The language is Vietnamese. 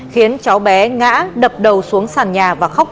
khiến cháu bé ngã đập đầu xuống sàn nhà và khóc